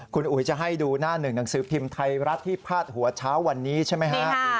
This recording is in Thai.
คุณอุ๋ยจะให้ดูหน้าหนึ่งหนังสือพิมพ์ไทยรัฐที่พาดหัวเช้าวันนี้ใช่ไหมฮะ